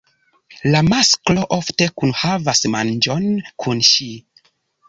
La masklo ofte kunhavas manĝon kun ŝi.